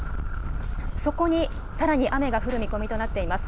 そこにさらに雨が降る見込みとなっています。